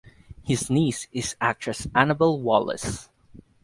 His niece is actress Annabelle Wallis.